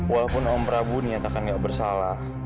walaupun om prabu niat akan gak bersalah